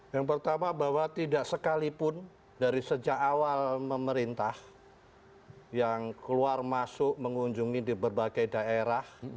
yang pertama bahwa tidak sekalipun dari sejak awal memerintah yang keluar masuk mengunjungi di berbagai daerah